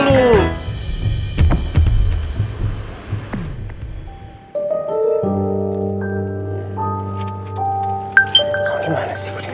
kamu dimana sih budi